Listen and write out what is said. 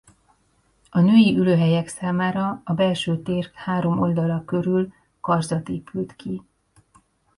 A női ülőhelyek számára a belső tér három oldala körül karzat épült ki.